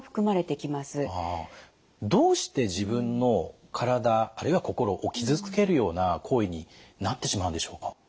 どうして自分の体あるいは心を傷つけるような行為になってしまうんでしょうか？